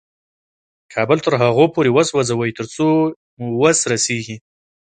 کابل تر هغو پورې وسوځوئ تر څو مو وس رسېږي.